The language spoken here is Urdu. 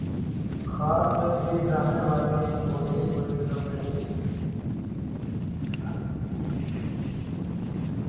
خواب میں بھی ڈرانے والی بولی وڈ فلمیں